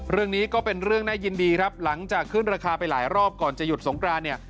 เรื่องนี้ก็เป็นเรื่องน่ายินดีครับหลังจากขึ้นราคาไปหลายรอบก่อนจะหยุดสงกรานเนี่ย